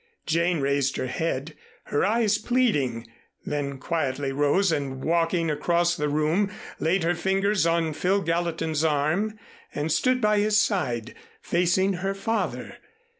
Jane raised her head, her eyes pleading, then quietly rose and walking across the room, laid her fingers on Phil Gallatin's arm and stood by his side, facing her father.